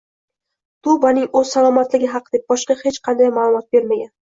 Tubaning o‘zi salomatligi haqida boshqa hech qanday ma’lumot bermagan